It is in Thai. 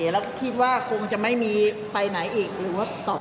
แล้วก็คิดว่าคงจะไม่มีไปไหนอีกหรือว่าตอบ